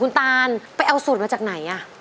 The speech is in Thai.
คุณตานไปเอาสูตรมาจากไหน